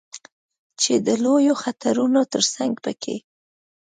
چې د لویو خطرونو ترڅنګ په کې